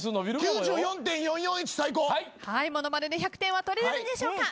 ものまねで１００点は取れるんでしょうか？